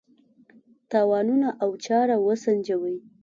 تاوانونه او چاره وسنجوي.